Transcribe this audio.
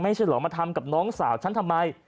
ไม่ใช่เหรอมาทำกับน้องสาวฉันทำไม